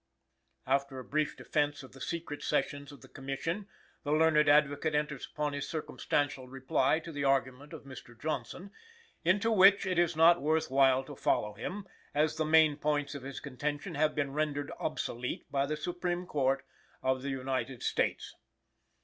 After a brief defense of the secret sessions of the Commission, the learned advocate enters upon his circumstantial reply to the argument of Mr. Johnson, into which it is not worth while to follow him, as the main points of his contention have been rendered obsolete by the Supreme Court of the United States.